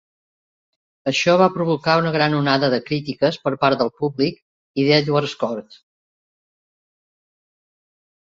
Això va provocar una gran onada de crítiques per part del públic i d'Edward's Court.